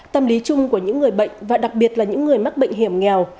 tâm lý chung của những người bệnh và đặc biệt là những người mắc bệnh hiểm nghèo